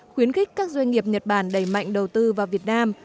khuyến khích các doanh nghiệp nhật bản đẩy mạnh đầu tư vào việt nam